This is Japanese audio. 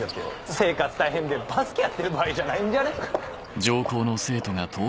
生活大変でバスケやってる場合じゃないんじゃね？